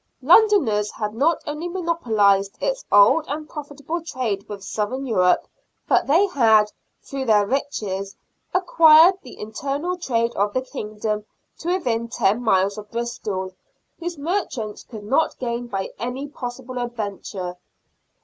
Londoners had not only monopolised its old and profitable trade with Southern Europe, but they had, through their riches, acquired the internal trade of the kingdom to within ten miles of Bristol, whose merchants could not gain by any possible adventure.